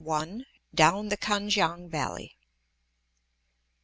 DOWN THE KAN KIANG VALLEY.